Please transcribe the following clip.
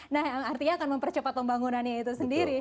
nah yang artinya akan mempercepat pembangunannya itu sendiri